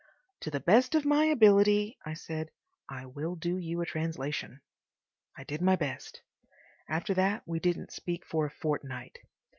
"To the best of my ability," I said, "I will do you a translation." I did my best. After that we didn't speak for a fortnight.